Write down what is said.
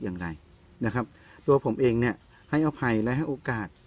อย่างไรนะครับตัวผมเองเนี่ยให้อภัยและให้โอกาส